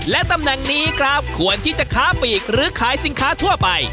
และตำแหน่งนี้ครับควรที่จะค้าปีกหรือขายสินค้าทั่วไป